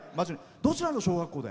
どちらの小学校で？